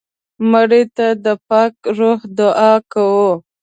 مړه ته د پاک روح دعا کوو